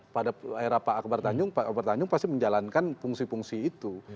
pada era pak akbar tanjung pak akbar tanjung pasti menjalankan fungsi fungsi itu